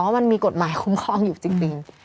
มันมีกฎหมายคุ้มครองอยู่จริง